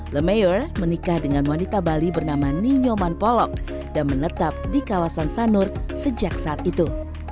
lemayor menikah dengan wanita bali bernama ninyoman polok dan menetap di kawasan sanur sejak saat itu